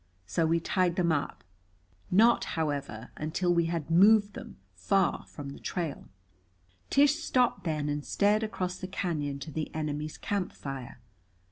So we tied them up. Not, however, until we had moved them far from the trail. Tish stopped then, and stared across the cañon to the enemy's camp fire.